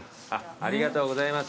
ありがとうございます！